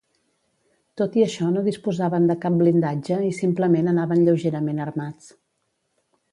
Tot i això no disposaven de cap blindatge i simplement anaven lleugerament armats.